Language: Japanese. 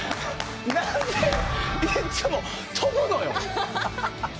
何でいつも跳ぶのよ！